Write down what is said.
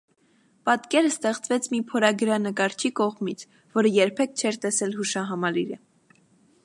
Պատկերը ստեղծվեց մի փորագրանկարչի կողմից, որը երբեք չէր տեսել հուշահամալիրը։